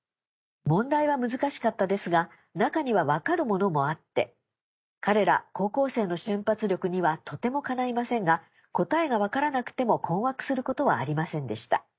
問題は難しかったですが中には分かるものもあって彼ら高校生の瞬発力にはとてもかないませんが答えが分からなくても困惑することはありませんでした。